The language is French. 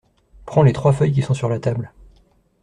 Prends les trois feuilles qui sont sur la table.